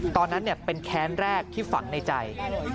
ตอนนั้นเป็นแค้นแรกที่ฝังในใจ